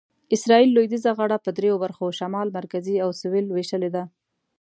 اسرایل لویدیځه غاړه په دریو برخو شمال، مرکزي او سویل وېشلې ده.